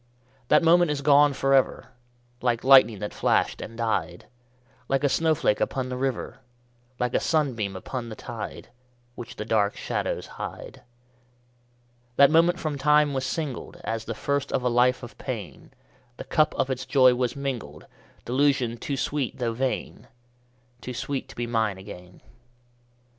_5 2. That moment is gone for ever, Like lightning that flashed and died Like a snowflake upon the river Like a sunbeam upon the tide, Which the dark shadows hide. _10 3. That moment from time was singled As the first of a life of pain; The cup of its joy was mingled Delusion too sweet though vain! Too sweet to be mine again.